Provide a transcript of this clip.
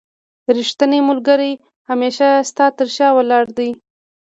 رښتينی ملګری هميشه ستا تر شا ولاړ دی